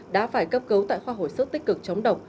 đã phải cấp cấu tại khoa hội sức tích cực chống độc